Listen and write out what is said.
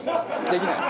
できない！